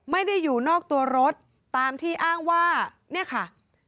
ไม่ได้อยู่นอกตัวรถตามที่อ้างว่าเนี่ยค่ะ